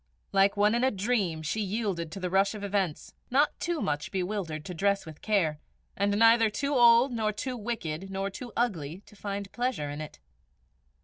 Like one in a dream she yielded to the rush of events, not too much bewildered to dress with care, and neither too old nor too wicked nor too ugly to find pleasure in it.